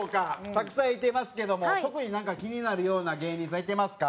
たくさんいてますけども特になんか気になるような芸人さんいてますか？